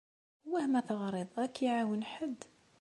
Wah ma teɣriḍ-d ad k-iɛawen ḥedd?